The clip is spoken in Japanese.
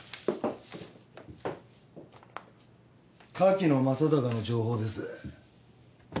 柿野正隆の情報です。